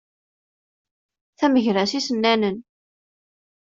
Tamegra s isennanen.